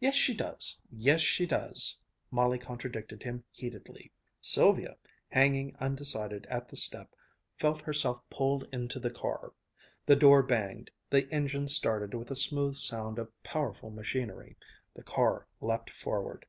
"Yes, she does; yes, she does!" Molly contradicted him heatedly. Sylvia, hanging undecided at the step, felt herself pulled into the car; the door banged, the engine started with a smooth sound of powerful machinery, the car leaped forward.